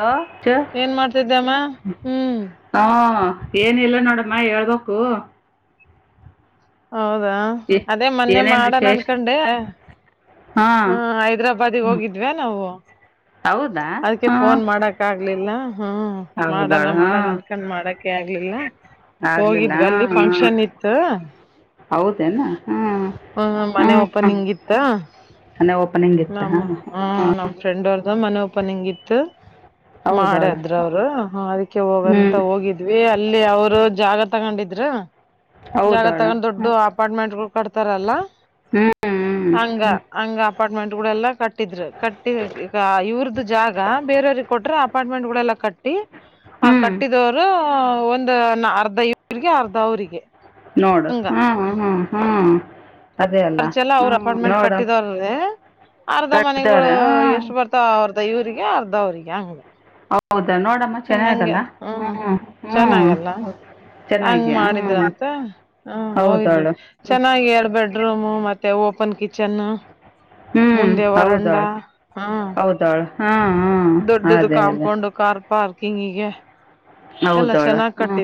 Hello ಕೆ ಏನ್ ಮಾಡ್ತಿದ್ದಮ್ಮ ಹ್ಮ್ ಹಾ ಏನಿಲ್ಲ ನೋಡಮ್ಮ ಹೇಳ್ಬೇಕು ಹೌದಾ ಏ- ಅದೇ ಮೊನ್ನೆ ಏನೇನ್ ಮಾಡಣ ವಿಶೇಷ ಅನ್ಕೊಂಡೆ ಹಾ ಹ ಹೈದ್ರಾಬಾದಿಗೆ ಹೋಗಿದ್ವ ನಾವು ಹೌದಾ ಅದಕ್ಕೆ ಹಾ ಫೋನ್ ಮಾಡಕ ಆಗ್ಲಿಲ್ಲ ಹ್ಮು ಮಾಡಣ ಹೌದಾಳ ಹಾ ಮಾಡಣ ಅನ್ಕಂಡ್ ಮಾಡಕೆ ಆಗ್ಲಿಲ್ಲ ಆಗ್ಲಿಲ್ಲ ಹೋಗಿದ್ವಿ ಅಲ್ಲಿ ಫಂಕ್ಷನ್ ಇತ್ತು ಹೌದೇನಾ ಹ್ಮ ಮನೆ ಓಪನಿಂಗಿತ್ತ ಮನೆ ಓಪನಿಂಗ್ ಇತ್ತ ನಮ್ಮ ಹ ನಮ್ ಫ್ರೆಂಡ್ ಅವರದು ಮನೆ ಓಪನಿಂಗ್ ಇತ್ತು ಹೌದಾಳ ಮಾಡಿದ್ರ ಅವರು ಅದಕ್ಕೆ ಹೋಗಂತ ಹ್ಮ್ ಹೋಗಿದ್ವಿ ಅಲ್ಲಿ ಅವ್ರು ಜಾಗ ತಗೊಂಡಿದ ದ್ರು ಜಾಗ ಹೌದಾಳ ತಗೊಂಡ ದೊಡ್ಡ ಹ್ಮ್ ಅಪಾರ್ಟ್ಮೆಂಟ್ಗಳು ಕಟ್ತಾರಲ್ಲ ಹ್ಮ್ ಹ್ಮ್ ಹಂಗ ಹ್ಮ್. ಹಂಗ ಅಪಾರ್ಟ್ಮೆಂಟ್ ಗಳೆಲ್ಲಾ ಕಟ್ಟಿದ್ರ ಕಟ್ಟಿ ಈಗ ಇವ್ರ್ದ ಜಾಗ ಬೇರೆಯವ್ರ ಕೊಟ್ರೆ ಅಪಾರ್ಟ್ಮೆಂಟ್ ಗಳೆಲ್ಲ ಕಟ್ಟಿ ಹ ಹ್ಮ್ ಕಟ್ಟಿದವರು ಒಂದು ನಾ ಅರ್ಧ ಅರ್ಧ ಇವ್ರಿಗೆ ಅರ್ಧ ಅವ್ರಿಗೆ ನೋಡು ಹಂಗ ಹ್ಮ ಹ್ಮ ಹ್ಮ ಹ್ಮ ಖರ್ಚೆಲ್ಲ ಅವ್ರ ಅಪಾರ್ಟ್ಮೆಂಟ್ ಕಟ್ಟಿದವ್ರದೇ ಅರ್ಧ ಕಟ್ಟಾರ ಮನೆಗಳು ಹ್ಮ್ ಎಷ್ಟು ಬರ್ತಾವ ಅರ್ಧ ಇವ್ರಿಗೆ ಅರ್ಧ ಅವ್ರಿಗೆ ಯಂಗ ಹೌದು ಹ್ಮ್ ಹಂಗೆ ಹ್ಮ್ ಹ್ಮ್ ಚೆನ್ನಾಗಲ್ಲ ಹಂಗ ಚೆನ್ನಾಗಿ ಹ್ಮ್ ಮಾಡಿದ್ರಂತ ಹ್ಮ ಹೋಗಿದ್ವಿ ಹೌದಾಳು ಚೆನ್ನಾಗಿ ಎರಡ್ ಬೆಡ್ರೂಮ್ ಮತ್ತೆ ಒಂದು ಕಿಚನ್ ಹ್ಮ್ ಮುಂದೆ ವರಂಡ ಹೌದಾಳು ಹ್ಮ ಹೌದಾಳು ಹ್ಮ ಹ್ಮ ಅದೇ ಅದೇ ಪಾರ್ಕಿಂಗ್ ಈಗೆ ಹೌದಾಳ ಹ್ಮ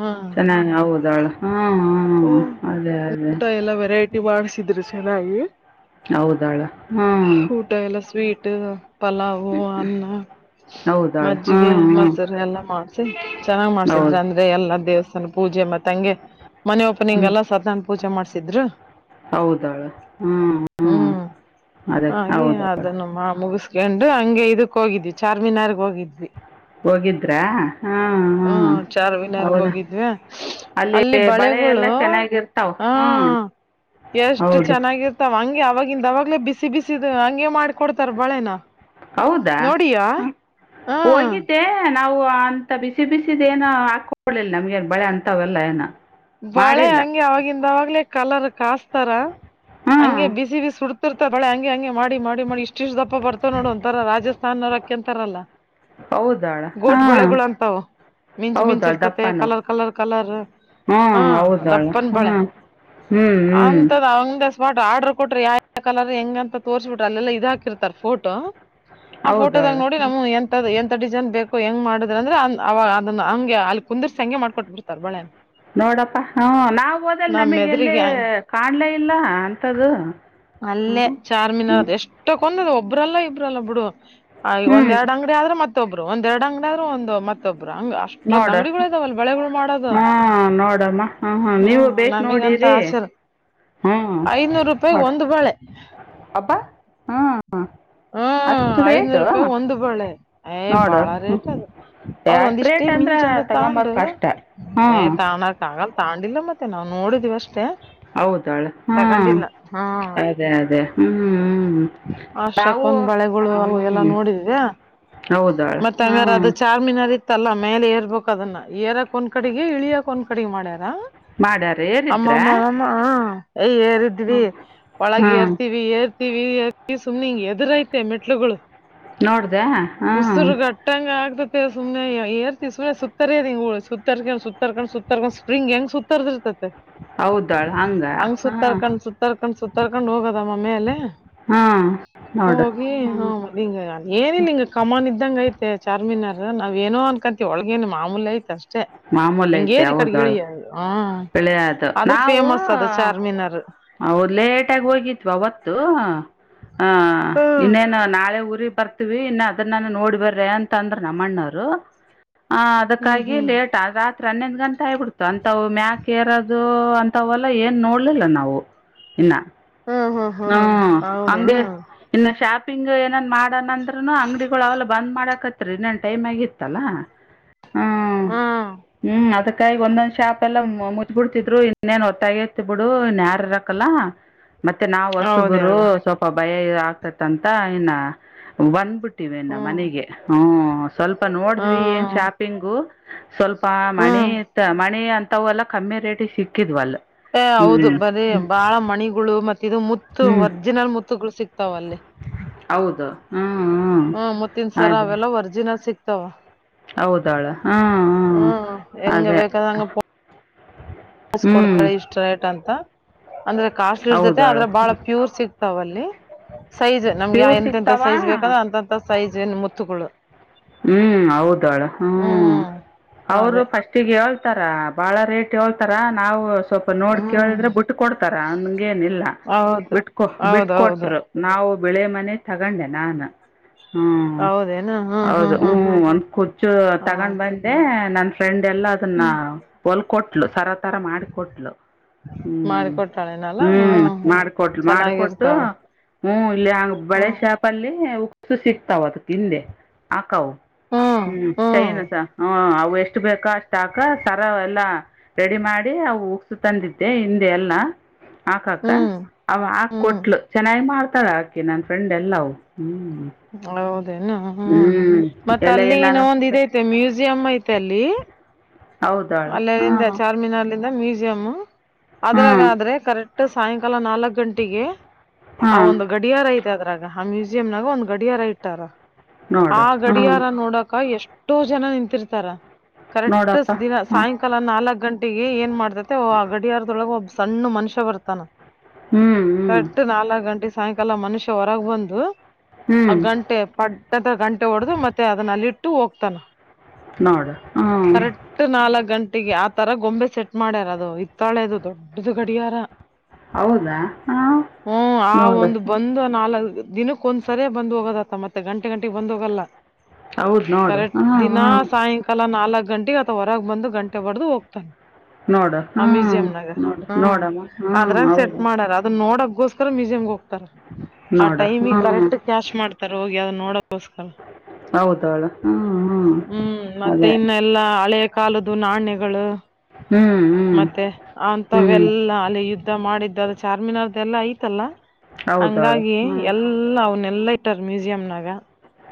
ಹ್ಮ್ ಚೆನ್ನಾಗಿ ಹೌದಾಳ ಹ್ಮ ಓ ಹ್ಮ ಅದೇ ಅದೇ ನ್ನಾಗಿ ಹೌದಾಳ ಹ್ಮ್ ಟ್ ಪಲಾವು ಅನ್ನ ಹೌದಾಳು ಮಜ್ಜಿಗೆ ಹ್ಮ್ ಹ್ಮ್ ಮೊಸರು ಎಲ್ಲ ಮಾಡ ಸರಿ ಚೆನ್ನಾಗಿ ಮಾಡಸಿದ್ರೆ ಹೌದು ಅಂದ್ರೆ ಎಲ್ಲ ದೇವಸ್ ಪೂಜೆ ಮತ್ತೆ ಹಂಗೆ ಮನ ಒಪನಿಂಗಲ್ಲ ಸತಾನ ಪೂಜೆ ಮಾಡ್ಸಿದ್ರು ಹೌದಾಳು ಹ್ಮ್ ಹ್ಮ್ ಅದೇ ಹಾಗೆ ಹೌದಾಳು ಅದನ್ನುಮ್ಮ ಮುಗಿಸ [unintelligible] ಹಂಗೆ ಇದಕ್ ಹೋಗಿದ್ವಿ ಚಾರ್ ಮಿನಾರ್ ಹೋಗಿದ್ವಿ ಹೋಗಿದ್ರಾ ಹ್ಮ್ ಹ್ಮ ಹ್ಮ್ ಚಾರ್ವಿನಾರ್ಗ ಹೌದಾ ಹೋಗಿದ್ವಿ ಅಲ್ಲಿ ಬಳೆ ಬಳೆಗಳು ಎಲ್ಲ ಚೆನ್ನಾಗಿರ್ತಾವ ಹ ಹ್ಮ್ ಎಷ್ಟು ಹೌದು ಚೆನ್ನಾಗಿರ್ತಾವ ಹಂಗೆ ಅವವಾಗಿಂದ ಅವವಾಗಲೇ ಬಿಸಿ ಬಿಸಿದು ಹಂಗೆ ಮಾಡ್ ಕೊಡ್ತಾರ ಬಾಳೆನ ಹೌದಾ ನೋಡಿಯಾ ಹಾಂ ಹಾ ಹೋಗಿದ್ದೆ ನಾವು ಅಂತ ಬಿಸಿ ಬಿಸಿದೇನ ಹಾಕೊಳಿಲ್ಲ ನಮ್ಗನ್ ಬಳೆ ಅಂತವಲ್ಲ ಏನ ಬಾಳೆ ಹಂಗೆ ಅವವಾಗಿಂದವಾಗ್ಲೇ ಕಲರ್ ಕಸ್ತಾರ ಹಾಂ ಹಂಗೆ ಬಿಸಿ ಬಿಸಿ ಸುಡ್ತಾ ರ್ತ ಬಳೆ ಹ ಹಾಗಂ ಹಂಗೆ ಮಾಡಿ ಮಾಡಿ ಮಾಡಿ ಇಷ್ಟ ಇಷ್ಟು ದಪ್ಪ ಬರ್ತಾವ ನೋಡು ಒಂಥರ ರಾಜಸ್ನರು ಅಕ್ಕಕಂತಾರಲ್ಲ ಹೌದಾಳ ಗೋಟ್ ಹಾಂ ಬಳೆಗಳು ಅಂತಾವ ಮಿಂಚು ಮಿಂಚ ಹೌದಾಳ ಇರ್ತತಿ ಕಲರ್ ಕಲರ್ ಕಲರ್ ಹಾ ಹ ಹೌದಾಳ ದಪ್ಪನ್ ಹಾ ಬಳೆ ಹ್ಮ್ ಹ್ಮ್ ಅಂತದ್ ಅಂದ ಆರ್ಡರ್ ಕೊಟ್ರಾ ಯ ಕಲರ್ ಹೆಂಗ ಅಂತ ತೋರಿಸಸಬ ಬಿಟ್ರೆ ಅಲ್ಲೆಲ್ಲ ಇದ ಹಾಕಿರ್ತರ್ ಫೋಟೋ ಆ ಫೋಟೋದಾಗ ಹೌದಾಳ ನೋಡಿ ಹ್ಞೂ ನಮ್ ಎಂತ ಎ ಡಿಜನ್ ಬೇಕು ಹೆಂಗ ಮಾಡುದ್ರ ಅಂದ್ರೆ ಅವ ಅದನ್ನ ಹಂಗೆ ಅಲ್ಲಿ ಕುಂದರ್ಸ ಹಂಗೆ ಮಾಡ್ಕೊಟ್ ಬಿಡ್ತಾರ ಬಳೆ ನೋಡಪ್ಪಾ ಹಾ ನಾವವು ಓದಲ್ ನಮಗೆ ಎಲ್ಲಿ ಮೆದ್ರಿಗೆ ಕಾಣಲೇ ಇಲ್ಲ ಅಂಥದು ಅಲ್ಲೇ ಲ್ಲ ಬುಡು ಒಂದ ಎರಡ್ ಅಂಗಡಿ ಆದ್ರೆ ಮತ್ ಮತ್ತೊಬ್ರು ಒಂದ ಎರಡುಂಗಡರು ಒಂದು ಮತ್ ಒಬ್್ರ ಅಂಗ ಅಷ್ಟೊಂದ್ ನೋಡು ಅಂಗಡಿಗಳು ಇದಾವಲ್ಲ ಬೆಳೆಗಳು ಮಾಡೋದು ಹ ಹ ನೀವು ಹ್ಮ್ ಬ ನಮಗಂತ ನೋಡಿರಿ ಆಸೆ ಐನೂರು ರೂಪಾಯಿ ಹ್ಮ ಒಂದು ಅಬ್ಬಾ ಹ್ಮ ಹ್ಮ ಐದನೂರು ರೂಪಾಯಿ ಒಂದು ಬಳೆ ಏ ನೋಡು ಬಾಳ ಹ್ಮ್. ರೇಟ್ ಅದು ಅವ್ರ ಅಷ್ಟು ಒಂದಿಷ್ಟೇ ರೇಟ್ ಅಂದ್ರೆ ಮಿಂಚ ಅಂದ ತಗೊಂಬಕ್ ತೊಂಡು ಕಷ್ಟ ಏ ಹ್ಮ್ ತಾಣಕ್ ಆಗಲ್ಲ ತಂಡಿಲ್ಲ ಮತ್ತೆ ನಾವವು ನೋಡಿದಿವವಿ ಅಷ್ಟೇ ಹೌದಾಳೆ ಹ್ಮ್ ಅದೇ ಅದೇ ಹ್ಮ್ ಅ ಶಕ ನಾವು ಒಂದ್ ಬಳೆಗಳು ಅ ಎಲ್ಲ ಹ್ಮ್ ನೋಡಿದ್ಯಾ ಹೌದಾಳು ಮತ್ತೆ ಹಂಗಾರ ಹ್ಮ್ ಅದು ಚಾರ್ಮಿನಾರ ತ್ತಲ್ಲ ಮೇಲೆ ಏರ್ಬೇಕು ಅದನ್ನ ಏರಕ್ ಒಂದ ಕಡೆಗೆ ಇಳಿಯಕ್ ಒಂದ್ ಕಡೆಗೆ ಮಾಡ್ಯ [inaudible] ಮಾಡ್ಯಾರ ಏರಿದ್ರ ಅಮ್ಮಮ್ಮಮ್ಮ ಯ ಏರಿದ್ವಿ ಹ್ಮ್ ಒಳಗ ಹ್ಮ್ ಏರ್ತಿವಿ ಏರ್ ಸುಮ್ನೆ ಹಿಂಗ ಎದುರ ಐತೆ ಮೆಟ್ಲುಗಳು ನೋಡ್ದ ಹಾ ಸು್ನೆ ಏರ್ತಿ ಸು್ನೆ ಸುತ್ತರದಿಂಗ ಹುಳ ಸುತ್ತರ್ಕೊಂಡ್ ಸುತ್ತರ್ಕೊಂಡು ಸುತ್ತರ್ಕೊಂಡ್ ಸ್ಪ್ರಿಂಗ್ ಹೆಂಗ ಸುತ್ತರ್ದಿರ್ತತೆ ಹೌದಾಳ ಹಂಗ ಹಂಗ್ ಹಾ ಸುತ್ತರ್ಕೊಂಡ್ ಸುತ್ತರ್ಕೊಂಡ್ ಸುತ್ತರ್ಕೊಂಡ್ ಹೋಗೋದ ಮಮ್ಮಿ ಅಲ್ಲಿ ಹ್ಮ್ ನೋಡು ಹೋಗಿ ಹ ಹ್ಮ್ ಮ ಹಿಂಗ ಏನಿಲ್ಲ ಹಿಂಗ ಕಮನ್ ಇದ್ದಂಗ ಐತೆ ಚಾರ್ಮೀನಾರ ನಾವೇಏನೋ ಅನ್ಕಂತತಿ ಒಳಗೇನ್ ಮಾಮೂಲಿ ಆಯ್ತಾ ಎಂಗೇರಿ ಕಡೆಗ ಇಳಿಯ ಬೆಳೆಯದು ಆದ್ರ ನಾವು ಫೇಮಸ್ ಅದ ಚಾರ್ಮಿನಾರ್ ಅವರ್ ಲೇಟಗ ಹೋಗಿದ್ವ ಅವತ್ತು ಹ ಹ್ಮ್ ಇನ್ನೇನು ನಾಳೆ ಬರ್ತೀವಿ ಇನ್ನು ಅದನ್ನಾನ ನೋಡ್ ಬರ್ರ ಅಂತ ಅಂದ್ರ ನಮ್ಮಣ್ಣರು ಹ ಹ್ಮ್ ಅದಕ್ಕಾಗಿ ಲೇಟ್ ಹ್ಮ್ ಆ ರಾತ್ ಹನ್ನೊಂದು ಗಂಟ ಹ್ಬಿಡ್ತು ಅಂತವು [unintelligible] ಅಂತವಲ್ಲ ಏನ್ ನೋಡ್ಲಿಲ್ಲ ನಾವು ಇನ್ನ ಹ್ಮ್ ಹ್ಮ್ ಹ್ಮ ಹ್ಮ್ ಹಂಗೆ ಹೌದೇನು ಇನ್ನು ಶಾತ್ ಪಿಂಗ್ ಏನನ್ ಮಾಡಣ ಅಂಗಡಿಗಳು ಅವಲ ಬಂದ್ ಮಾಡಕತ್ರಿ ಇನ್ನೇನು ಟೈಮ್ ಆಗಿತ್ತಲ್ಲ ಹ್ಮ್ ಹ್ಮ್ಮ್ ಅದಕ್ಕಾಗಿ ಒಂದೊಂದ್ ಶಾಪ್ ಲ್ಲ ಮುಚ್ ಬಿಡ್ತಿದ್ರು ಇನ್ನೇನ್ ಹೊತ್ತಾಗಿತ್ತ ಬಿಡು ಇನ್ಯಾರ ಇರಕಲ್ಲ ಮತ್ತೆ ಮತ್ತೆ ನಾವು ಹೌದ ಹೊಸಬ್ರು ಹೇಳ ಸ್ವಲ್ಪ ಭಯ ಆಗ್ತತ್ ಅಂತ ಇನ ಬಂದ್ಬಿಟ್ಟು ಹ್ಮ್ ಮನೆಗೆ ಹ್ಮ ಸ್ವಲ್ಪ ನೋಡಿದ್ವಿ ಏನ್ ಹ್ಮ್ ಶಾಪಿಂಗು ಸ್ವಲ್ಪ ಮಣಿ ಹ್ಮ್ ಇ ಮಣಿ ಅಂತ ತವಲ್ಲ ಕಮ್ಮಿ ರೇಟಿಗೆ ಸಿಕ್ಕಿದ್ವಲ್ಲ ಅ ಹೌದು ಹ್ಮ್ ಬರಿೀ ಬಾಳ ಮಣಿಗಳು ಮತ್ತ ಇದು ಹ್ಮ್ ರ್ಜಿನಲ್ ಮುತ್ತುಗಳು ಸಿಕ್ತಾವಲ್ಲಿ ಹೌದು ಹ್ಮ್ ಹ್ಮ್ ಮುತ್ತಿನ ಸರ ಅವೆಲ್ಲ ವರ್ಜಿನಲ್ ನ ಸಿಕ್ಕತಾವಾ ಹೌದಾಳ ಹಾ ಹ್ಮ ಅದೇ ಸ [unintelligible] ಹ್ಮ್ ಕೊಡ್ತಾಳೆ ಇಷ್ಟ ರೇಟ್ ಅಂತ ಅಂದ್ರೆ ಕಾಸ್ಟ್ ಇರ್ ಜತತೆ ಅದ್ರ ಹೌದಾಳು ಬಹಳ ಪ್ಯೂರ್ ಸಿಗ್ ತವಲ್ಲಿ ಸೈಜ್ ನಮ್ಗೆ ಪ್ಯೂರ್ ಎಂತಂತ ಸಿಗ್ತಾವ ಸೈಜ್ೇಕಂದ್ರೆ ಅಂತಂತ ಸೈಜ್ ಏನು ಮುತ್ತುಗಳು ಹ್ಮ್ ಹೌದಾಳ ಹ್ಮ್ ಅವರು ಅದೇ ಫಸ್ಟಿಗೆ ಹಳ್ ತರಾ ಬಾಳ ರೇಟ್ ಯೋಳ್ತರಾ ನಾವು ಸ್ವಲ್ಪ ನೋಡ್ ಹ್ಮ್ ಕೇಳಿದ್ರೆ ಬಿಟ್ ಕೊಡ್ತಾರ ಹಂಗೆನಿಲ್ಲ ಹೌದು ಬಿಟ್ಕೊ ಹೌದೌದು ಬಿಟ್ಕೊಟ್ರು ನಾವು ವಿಳೆ ಮನೆ ತಗೊಂಡೆ ನಾನು ಹ್ಮ್ ಹೌದೇನು ಹುಂ. ಹೌದು ಹ್ಮ ಒಂದ್ ಖುರ್ಚು ತಗೊಂಡ್ ಹೌದು ಬಂದೆ ನನ್ ಫ್ರೆಂಡ್ ಎಲ್ಲಾ ಅದನ್ನ [unintelligible] ಕೊಟ್ಲು ಸರತ್ ತರ ಮಾಡಿಕೊಟ್ಲು ಹ್ಮ್ ಮಾಡಿಕೊಟ್ಟಾಳೆನಲ್ಲ ಹ್ಮ್ ಹ್ಮ್ ಮಾಡ್ಕೊಟ್ಲು ಮಾಡ್ಕೊಟ್ಟು ಚೆನ್ನಾಗಿರ್ತಾವ ಹ್ಮ್ ಇಲ್ಲಿ ಹಂಗ ಬಳೆ ಹ್ಮ್ ಶಾಪ್ ಅಲ್ಲಿ ಸು ಸಿಕ್ತಾವತ ತಿನ್ಂದೇ ಆಕೌ ಹ್ಮ್ ಚೈನು ಸಹ ಅವೇ ಎಷ್ಟು ಬೇಕಾ ಅಷ್ಟಾಕ ಸರ ಎಲ್ಲ ರೆಡಿ ಮಾಡಿ ಅ ಉಕ್ಸು ತಂದಿದ್ದೆ ಹಿಂದೆಯಲ್ಲ ಹಾಕಾಕ ಹ್ಮ್ ಅವ ಹಾಕ್ ಹ್ಮ್ ಕೊಟ್ಲು ಚೆನ್ನಾಗಿ ಮಾಡ್ ಒತ್ತಳ ಹಾಕಿ ನನ್ ಫ್ರೆಂಡ್ ಎಲ್ಲಾವು ಹ್ಮ್. ಹೌದ್ [unintelligible] ಹ್ಮ್ ಮತ್ ಎಲ್ಲ ಅಲ್ಲಿ ನಾನು ಇನ್ನೊಂದು ಇದ್ ಐತೆ ಮ್ಯೂಸಿಯಂ ಐತೆ ಅಲ್ಲಿ ಹೌದಾಳ ಹಾ ಅಲ್ಲಲ್ಲಿಂದ ಚಾರ್ಮಿನಾರ್ ನಿಂದ ಮ್ಯೂಸಿ ಜಮ್ಮು ಹಾ ಅದ್ರಾಗಾದ್ರೆ ಕರೆಕ್ಟ್ ಟ್ ಸಾಯಂಕಾಲ ನಾಲ್ಕಕ್ ಗಂಟೆಗೆ. ಹಾ ಅವಂದು ಗಡಿಯಾರ ಐತ್ ಮ ಅದ್ರಾಗ ಆ ಮ್ಯೂಸಿಯಂನಾಗ ಒಂದ್ ಗಡಿಯಾರ ಇಟ್ಟಾರ. ನೋಡು ಆ ಹ್ಮ್ ಗಡಿಯಾರ ನೋಡಕ ಎಷ್ಟ ಟೂ ಜನ ನಿಂತಿರ್ತಾರ ಕರೆಕ್ಟೀಸ್ ನೋಡಪ್ಪ ದಿನಸ್ ಹ್ಮ್ ಸಾಯಂಕಾಲ ನಾಲಕ್ ಗಂಟ್ ಟಿ ಏ ಏನ್ ಮಾಡ್ತ್ ಜೊತೆ ಗಡಿಯಾರ್ದೊಳಗೆ ಒಬ್ ಸಣ್ ಮನುಷ್ಯ ಬರ್ತಾನ. ಹ್ಮ್ ಹ್ಮ್ ಕರೆಕ್ಟ ನಾಲಕ್ ಗಂಟೆ. ಸಾಯಂಕಾಲ ಮನುಷ್ಯ ಹೊರಗ ಬಂದು ಆ ಹ್ಮ್ ಗಂಟೆ ಪಟ್ ಅಂತ ಗಂಟೆ ಹೊಡೆದು ಮತ್ತೆ ಅದನ್ನಲ್ಲಿಟ್. ಟು ಹೋಗ್ತಾನ. ನಾಗ ಹ್ಮ್ ಕರೆಕ್ಟ್ ನಾಲ್ಕ್ ಗಂಟೆಗೆ ಆ ತರ ಗೊಂಬೆ ಸೆಟ್ ಮಾಡ್ಯಾರ ಅದು ಇತ್ತಾಳೆ ಅದು ದೊಡ್ಡದು ಗಡಿಯಾರ ಹೌದಾ ಹಾಂ ಹ್ಮ್ ಆ ನೋಡು ಒಂದು ಹ್ಮ್. ಬಂದು ನಾಲ್ ದಿನಕ್ಕೊಂದ್ಸರಿ ಬಂದ ಹೋಗೋದ ಅಕ್ಕ ಮತ್ತೆ ಗಂಟೆ ಗಂಟೆಗೆ ಬಂದ ಹೋಗಲ್ಲ ಹೌದ್ ನೋಡು ಕರೆಕ್ಟ್ ಹ್ಮ್ ದಿನ ಹ್ಮ್ ಸಾಯಂಕಾಲ ನಾಲ್ಕು ಗಂಟೆಗೆ ತ ಹೊರಗ ಬಂದ ಗಂಟೆ ಹೊಡೆದು ಹೋಗ್ತಾನೆ ನೋಡ ಹ್ಮ ಹ್ಮ್ ನೋಡಮ್ಮ ಹ್ಮ ಹೌದು [unintelligible] ಮ್ಯೂಸಿಯಮಗ ಹೋಗ್ತಾರ ಆ ನೋಡು ಟೈಮಿಗ ಹ್ಮ್ ಕರೆಕ್ಟ್ ಕ್ಯಾಶ್ ಮಾಡ್ತಾರೆ ಹೋಗಿ ಅದ ನೋಡ ಗೊಸ್ಕರ ಹೌದವಳು ಹ್ಮ್ ಹ್ಮ್ ಮತ್ತೆ ಅದೇ ಇನ್ನೆಲ್ಲಾ ಹಳೆ ಕಾಲ ದ ನಾಣ್ಯಗಳ ಹ್ಮ್ ಹ್ಮ್ ಮತ್ತೆ ಹ್ಮ್ ಅಂತವೆಲ್ಲಾ ಅಲ್ಲಿ ಯುದ್ಧ ಮಾಡಿದ್ದಾಗ ಚಾರ್ಮಿನಾರ್ ದೆಲ್ಲಾ ಐತಲ್ಲಾ ಹೌದವಳು ಹಂಗಾಗಿ ಹ್ಮ್ ಎಲ್ಲಾ ಅವನ ಲ್ಲ ಇಟ್ಟರ್ ಮ್ಯೂಸಿಯಂನಾಗ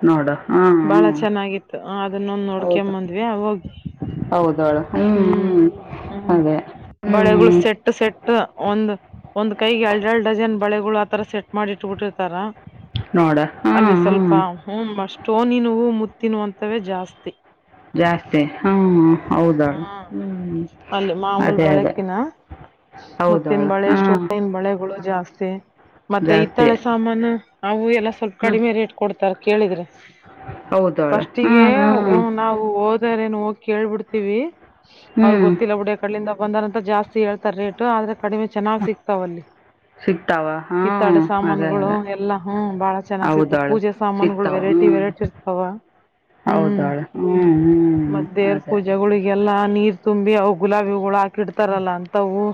ನೋಡು ಹ್ಮ್ ಬಹಳ ಹ್ಮ್ ಚೆನ್ನಾಗಿತ್ತು ಅದನ್ನೊಂದ ನೋಡಕೆಂಡ ಹೌದು ಬಂದವ್ಯಾ ಹೋಗಿ ಹ್ಮ್ ಹ್ಮ್ ಅದೇ ಬಳೆಗಳು ಹ್ಮ್ ಸೆಟ್ಟು ಸೆಟ್ಟ ಟ್ಟ ಒಂದ್ ಒಂದ್ ಕೈಗೆ ಎರಡ ಎರಡ್ ಡಜನ್ ಬಳೆಗಳು ಆತರ ಸೆಟ್ ಮಾಡಿ ಇಟ್ಬಿಟ್ಟಿರ್ತಾರ ನೋಡ ಅಲ್ಲಿ ಹ್ಮ್ ಸ್ವಲ್ಪ ಹ್ಮ್ ಹ್ಮ್ ಸ್ಟೋನಿನವು ಮುತ್ತಿನಂತವೇ ಜಾಸ್ತಿ ಜಾಸ್ತಿ ಹ್ಮ ಹೌದಾಳ ಹಾ ಹ್ಮ ಅಲ್ಲಿ ಮಾಮೂಲ್ ಅದೇ ಅದೇ ಬಳಕಿನ ಹೌದಾಳ ಮುತ್ತಿನ ಬಳೆ ಹ್ಮ ಸ್ಟೋನಿನ ಬಳೆಗಳು ಜಾಸ್ತಿ ಮತ್ತೆ ಹಿತ್ತಾಳೆ ಸಾಮಾನು ಅವು ಎಲ್ಲ ಸ್ವಲ್ಪ ಹ್ಮ್ ಕಡಿಮೆ ರೇಟ್ ಕೊಡ್ತಾರ ಕೇಳಿದ್ರೆ ಹೌದಾಳ ಫಸ್ಟಿಗೆ ಹ್ಮ್ ಹ್ಮ್ ನಾವು ಹೋದರೆ ನ ಹೋಗಿ ಕೇಳ್ಬಿಡ್ತೀವಿ ಅವ್ರ ಹ್ಮ್ ಗೊತ್ತಿಲ್ಲ ಬುಡಿಯ ಕಡಿಂದ ಬಂದಾರಂತ ಜಾಸ್ತಿ ಹೇಳ್ತಾರೆ ರೇಟ್ ಆದ್ರೆ ಕಡಿಮೆ ಚೆನ್ನಾಗ್ ಸಿಕ್ತಾವ ಅಲ್ಲಿ ಸಿಗ್ತಾವ ಹಿತ್ತಾಳೆ ಹ್ಮ್ ಅದೇ ಸಾಮಾನುಗಳು ಅದೇ ಎಲ್ಲಾ ಹ ಬಹಳ ಚೆನ್ನಾಗ್ ಸಿಕ್ತಾವ ಹೌದಾಳ ಪೂಜೆ ಸಾಮಾನುಗಳು ಸಿಗ್ತಾವ ವೆರೈಟಿ ವೆ ಹ್ಮ್ ಹಚ್ಚಿರ್ತಾವ ಹ್ಮ್ ಹೌದಾಳ ಹ್ಮ್ ಹ್ಮ್ ಮತ್ತೆ ದೇವರ ಅದೇ ಪೂಜೆಗೆ ಎಲ್ಲ ನೀರ್ ತುಂಬಿ ಅವು ಗುಲಾಬಿಗಳು ಹಾಕಿ ಇಡ್ತಾರಲ್ಲ ಅಂತವು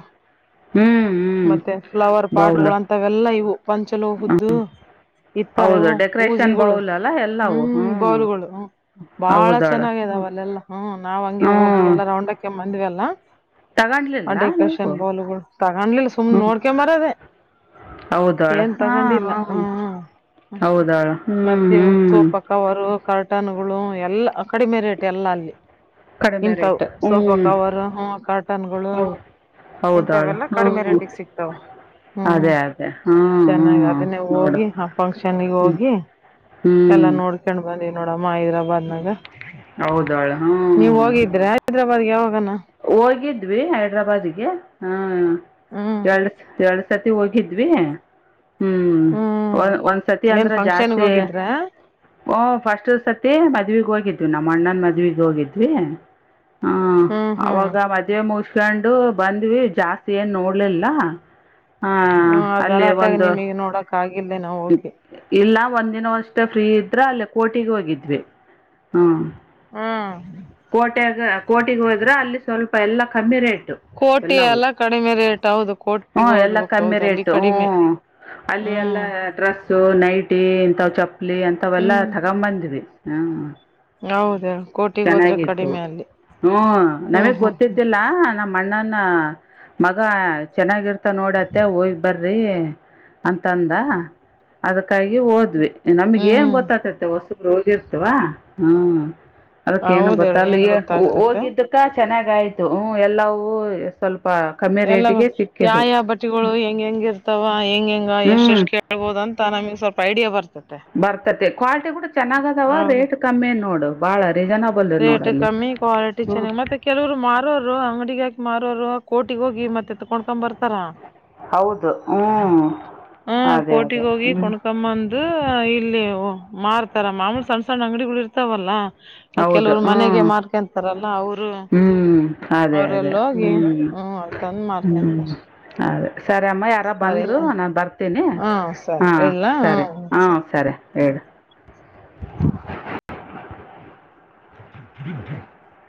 ಹ್ಮ್ ಹ್ಮ್ ಮತ್ತೆ ಫ್ಲವರ್ ಬೌಲ್ ಪಾಟ್ಗಳು ಅಂತವೆಲ್ಲಾ ಇವು ಹ್ಮ್ ಪಂಚಲೋಹದ್ದು ಹೌದು ಹಿತ್ತಾಳೆವು ಡೆಕೋರೇಷನ್ ಊಜಿಗಳು ಬೌಲ್ ಅಲ್ಲ ಎಲ್ಲವು ಹ್ಮ್ ಬೋಲ್ಗಳು ಬಾಳ ಹೌದಾಳ ಚೆನ್ನಾಗ ಇದಾವ ಅಲ್ಲೆಲ್ಲಾ ಹ್ಮ್ ನಾವ್ ಹಂಗೆ ಹೋಗಿ ಹ್ಮ್ ಎಲ್ಲಾ ರೌಂಡಕ್ಕೆ ಬಂದುವೇಲ್ಲ ಆ ತಗೊಂಡ್ಲಿಲ್ಲ ಡೆಕರಷನ್ ನೀವು ಬಾಲುಗಳು ತಗೊಂಡ್ಲಿಲ್ಲ ಸುಮ್ನೆ ಹ್ಮ್ ನೋಡ್ಕೊಂಬರದೆೇ ಹೌದಾಳ ಏನ್ ಹಾ ತಗೊಂಡಿಲ್ಲ ಹ ಅಷ್ಟೆ ಹೌದಾಳ ಹ್ಮ್ ಮತ್ತೆ ಸೋ ಹ್ಮ್ ಪಕ್ಕವ ಕಾರ್ಟನ್ ಗಳು ಎಲ್ಲ ಕಡಿಮೆ ರೇಟ್ ಎಲ್ಲ ಅಲ್ಲಿ ಕಡಿಮೆ ಇಂತವು ರೇಟ್ ಸೋಫಾ ಹ್ಮ್ ಕವರ್ ಹ ಕಾರ್ಟನ್ಗಳು ಹೌದು ಹೌದಾಳು ಇಂತವೆೆಲ್ಲಾ ಕಡಿಮೆ ಹ್ಮ್ ರೇಟಿಗೆ ಸಿಕ್ತಾವ ಹ್ಮ್ ಅದೇ ಅದೇ ಹ್ಮ್ ಚೆನ್ನಾಗಿ ಹ್ಮ್ ಅದನ್ನೇ ನೋಡು ಹೋಗಿ ಆ ಫಂಕ್ಷನ್ಗ ಹ್ಮ್ ಹೋಗಿ ಎಲ್ಲಾ ಹ್ಮ್ ನೋಡ್ಕೊಂಡ್ ಬಂದಿಲ್ಲ ಅಮ್ಮ ಹೈದ್ರಾಬಾದ್ನಾಗ ಹೌದಾಳು ನೀವ ಹ್ಮ್ ಹೋಗಿದ್ರೆ ನೋಡು ಹೈದ್ರಾಬಾದ್ಗೆ ಯಾವಾಗನ ಹೋಗಿದ್ವಿ ಹೈದ್ರಾಬಾದ್ ಗೆ ಹ ಹ್ಮ ಹ್ಮ್ ಹೇಳ್ ಹೇಳ್ ಸತಿ ಹೋಗಿದ್ವಿ ಹ್ಮ ಹ್ಮ್ ಒಂದ್ ಸತಿ ಏನ್ ಅಂದ್ರೆ ಫಂಕ್ಷನ್ಗೆ ಜಾಸ್ತಿ ಹೋಗಿದ್ರ ಓ ಫಸ್ಟ್ ಸತಿ ಮದ್ವೆಗೆ ಹೋಗಿ ಇ ನಮ್ಮ ಅಣ್ಣನ್ ಮದ್ವೆ ಗೆ ಹೋಗಿದ್ವಿ ಹಾ ಹ್ಮ್ ಹ್ಮ್ ಅವಾಗ ಮದ್ವೆ ಮು ಇಕೊಂಡು ಬಂದ್ವಿ ಜಾಸ್ತಿ ಏನ್ ನೋಡ್ಲಿಲ್ಲ ಹ ಗಲಾಟೆಗೆ ನಿಮಿಗೆ ನೋಡಕ್ ಆಗಿಲ್ಲ ಏನೂ ಹೋಗಿ ಒಂದ್ ನವಷ್ಟೇ ಫ್ರೀ ಇದ್ರ ಅಲ್ಲೇ ಕೋರ್ಟಿಗೆ ಹೋಗಿದ್ವಿ ಹ್ಮ ಹ್ಮ ಕೋಟೇಗ ಕೋಟಿ ಹೋಗ ದ್ರ ಅಲ್ಲಿ ಸ್ವಲ್ಪ ಎಲ್ಲ ಕಮ್ಮಿ ರೇಟ್ ಕೋಟಿ ಎಲ್ಲವು ಎಲ್ಲ ಕಡಿಮೆ ರೇಟ್ ಹೌದು ಹ್ಮ ಕೋಟಿಗೆ ಎಲ್ಲ ಹೋಗ್ಬೇಕು ಕಮ್ಮಿ ಹೌದು ಅಲ್ಲಿ ರೇಟ್ ಕಡಿಮೆ ಹ್ಮ ಅಲ್ಲಿ ಎಲ್ಲ ಹ್ಮ್ ಡ್ರೆಸ್ಸು ನೈಟಿ ಇಂತ್ ಚಪ್ಪಲಿ ಅಂತಾವೆಲ್ಲ ಹ್ಮ್ ತಗೊಂಡ್ ಬಂದ್ವಿ ಹಾ ಹೌದಳು ಚೆನ್ನಾಗಿತ್ತು ಹ್ಮ ಹ್ಮ್ ನಮೀಗೆ ಹ್ಮ್ ಹ್ಮ್ ಗೊತ್ತಿದ್ದಿಲ್ಲ ನಮ್ಮ ಅಣ್ಣನ್ನು ಹ ಮಗ ಚೆನ್ನಾಗಿರ್ತ ನೋಡ ಅತ್ತೆ ಹೋಗ್ ಬರ್ರಿ ಅಂತ ಅಂದ ಅದಕ್ಕಾಗಿ ಓದ್ವಿ ನಮ್ಗೆ ಏನ್ ಹ್ಮ್ ಗೊತ್ತಾಗ್ತತೆೆ ವಸ್ತು ರೋಜಾಇಡ್ತೀವ ಹ್ಮ್ ಅದಕ್ಕ ಏನು ಹೌದ್ ಗೊತ್ತಾ ಹೇಳಿ ಏನ್ ಅಲ್ಲಿಗೆ ಗೊತ್ತಾಗ್ತತೆ ಹೋಗಿದ್ದಕ್ಕ ಚೆನ್ನಾಗ ಆಯ್ತು ಹ ಎಲ್ಲವೂ ಸ್ವಲ್ಪ ಕಮ್ಮಿ ಎಲ್ಲ ರೇಟಿಗೆ ಯಾವ ಸಿಕ್ಕಿದ್ವು ಯಾವ ಬಟ್ಟಿಗಳು ಹೆಂಗ್ ಹೆಂಗ ಇರ್ತಾವ ಹೆಂಗ ಹೆಂಗ ಹ್ಞೂ ಎಷ್ಟ್ ಎಷ್ಟ್ ಕೇಳ್ಬೋದ ಅಂತ ನಮಗ್ ಸ್ವಲ್ಪ ಐಡಿಯಾ ಬರುತ್ತೆ ಭರ್ತತೆ ಕ್ವಾಲಿಟಿ ಕೂಡ ಚೆನ್ನಾಗ ಅದಾವ ಹೌದು ರೇಟ್ ಕಮ್ಮಿ ನೋಡು ಬಾಳ ರೇಟ್ ಕಮ್ಮಿ ಕ್ವಾಲಿಟಿ ಹ್ಞೂ ಚೆನ್ನಾಗಿ ಮತ್ತೆ ಕೆಲವರು ಮಾರೋರು ಅಂಗಡಿಿಗೆಾಕ ಮರವ್ರು ಕೋಟಿಗ ಹೋಗಿ ಮತ್ತೆ ಕೊಂಡ್ಕೊಂಡ್ ಬರ್ತಾರಾ ಹೌದು ಹ್ಮ್ ಅದೇ ಅದೇ ಹ್ಮ್ ಅ ಇಲ್ಲಿ ಮಾರ್ತಾರ ಮಾಮೂಲ್ ಸಣ್ಣ ಸಣ್ಣ ಅಂಗಡಿಗಳು ಇರ್ತಾವಲ್ಲ ಹೌದು ಕೆಲವ್ರು ಮನೆಗೆ ಹ್ಮ್ ಮಾರ್ಕೊಂತಾರಲ್ಲ ಅವರು ಹ್ಮ್ ಅದೇ ಅದೇ ಅವ್ರೆಲ್ಲ ಹೋಗಿ ಹ್ಮ್ ತಂದ್ ಹ್ಮ್ ಮಾರ್ಕೊಂತಾರ ಅದೇ ಸರಿ ಅಮ್ಮ ಯಾರ ಬಂದ್ರು ಸರಿನೆ ನಾನು ಬರ್ತೀನಿ ಹಾ ಸರಿ ಹಾ ಇಡ್ಲಾ ಸರಿ ಹ್ಮ್ ಹಾ ಸರಿ ಹೇಳಿ [inaudible] [inaudible]